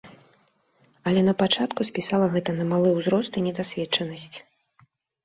Але на пачатку спісала гэта на малы ўзрост і недасведчанасць.